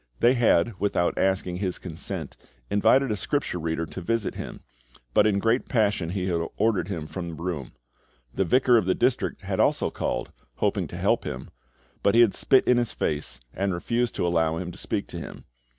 They had, without asking his consent, invited a Scripture reader to visit him, but in great passion he had ordered him from the room. The vicar of the district had also called, hoping to help him; but he had spit in his face, and refused to allow him to speak to him.